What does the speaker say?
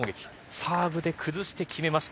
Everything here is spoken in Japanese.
サーブで崩して決めました